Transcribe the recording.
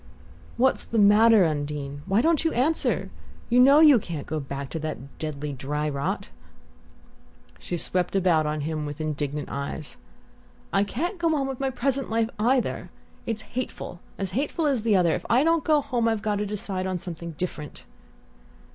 "What's the matter. Undine? Why don't you answer? You know you can't go back to that deadly dry rot!" She swept about on him with indignant eyes. "I can't go on with my present life either. It's hateful as hateful as the other. If I don't go home I've got to decide on something different."